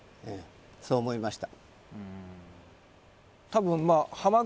そう思いました